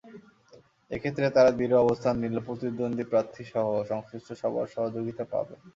এ ক্ষেত্রে তারা দৃঢ় অবস্থান নিলে প্রতিদ্বন্দ্বী প্রার্থীসহ সংশ্লিষ্ট সবার সহযোগিতা পাবে।